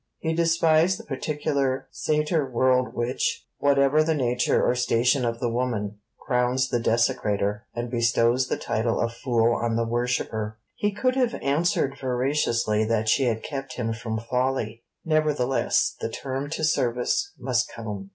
He despised the particular Satyr world which, whatever the nature or station of the woman, crowns the desecrator, and bestows the title of Fool on the worshipper. He could have answered veraciously that she had kept him from folly. Nevertheless the term to service must come.